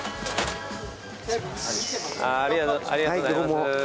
ありがとうございます。